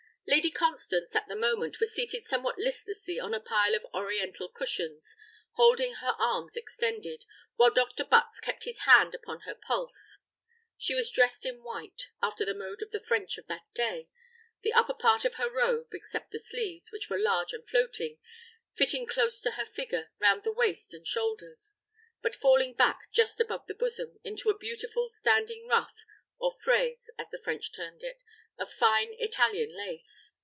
Lady Constance, at the moment, was seated somewhat listlessly on a pile of oriental cushions, holding her arms extended, while Dr. Butts kept his hand upon her pulse. She was dressed in white, after the mode of the French of that day: the upper part of her robe, except the sleeves, which were large and floating, fitting close to her figure round the waist and shoulders, but falling back, just above the bosom, into a beautiful standing ruff, or fraise, as the French termed it, of fine Italian lace.